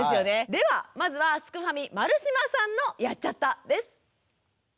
ではまずはすくファミ丸島さんの「やっちゃった！」です。